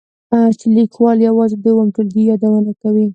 چې لیکوال یوازې د اووم ټولګي یادونه کوي.